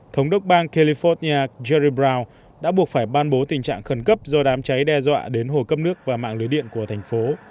thống đốc bang california jerebrow đã buộc phải ban bố tình trạng khẩn cấp do đám cháy đe dọa đến hồ cấp nước và mạng lưới điện của thành phố